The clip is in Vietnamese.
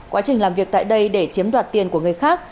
quá trình làm việc tại đây để chiếm đoạt tiền của người khác